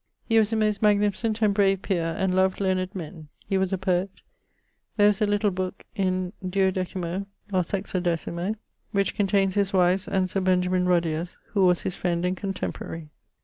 He was a most magnificent and brave peer, and loved learned men. He was a poet. There is a little booke in 12mo or 16mo which containes his wife's and Sir Benjamin Rudyer's who was his friend and contemporary.